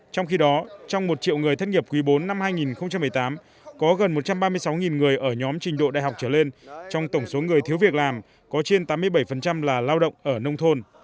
trong khi đó trong một triệu người thất nghiệp quý bốn năm hai nghìn một mươi tám có gần một trăm ba mươi sáu người ở nhóm trình độ đại học trở lên trong tổng số người thiếu việc làm có trên tám mươi bảy là lao động ở nông thôn